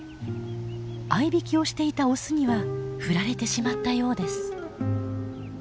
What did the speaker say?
あいびきをしていたオスには振られてしまったようです。